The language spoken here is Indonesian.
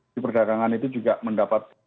di perdagangan itu juga mendapat